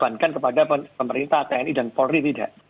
karena semua tidak bisa dibebankan kepada pemerintah tni dan polri tidak